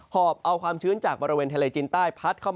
ก็คือเมด